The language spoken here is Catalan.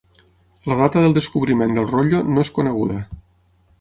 La data del descobriment del rotllo no és coneguda.